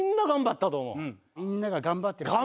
みんなが頑張ってる。